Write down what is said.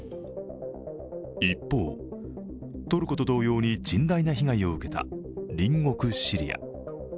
一方、トルコと同様に甚大な被害を受けた隣国シリア。